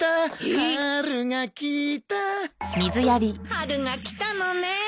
春が来たのねえ。